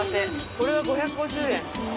これが５５０円。